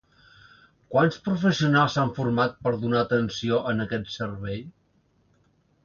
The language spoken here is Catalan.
Quants professionals s'han format per donar atenció en aquest servei?